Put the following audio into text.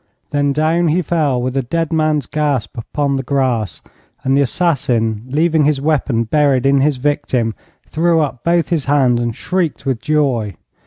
Then down he fell with a dead man's gasp upon the grass, and the assassin, leaving his weapon buried in his victim, threw up both his hands and shrieked with joy.